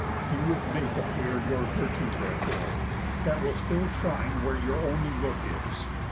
You would make appear Your virtues therefore, that will still shine where Your only look is.